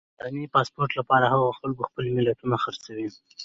د بهرني پاسپورټ لپاره هغو خلکو خپلې ملیتونه خرڅوي.